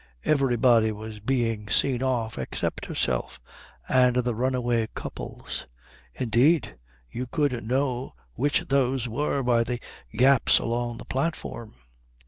Everybody was being seen off except herself and the runaway couples; indeed, you could know which those were by the gaps along the platform.